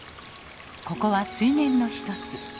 ここは水源の一つ。